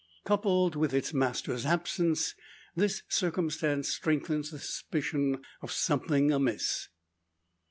Coupled with its master's absence, this circumstance strengthens the suspicion of something amiss.